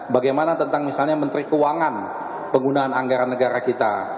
bagaimana tentang misalnya menteri keuangan penggunaan anggaran negara kita